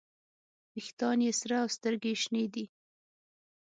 ویښتان یې سره او سترګې یې شنې دي.